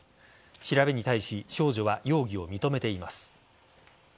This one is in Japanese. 調べに対し少女は容疑を認めています。